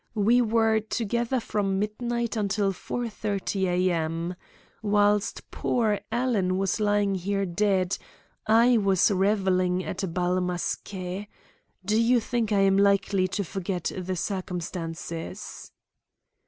We were together from midnight until 4.30 a.m. Whilst poor Alan was lying here dead, I was revelling at a bal masqué. Do you think I am likely to forget the circumstances?"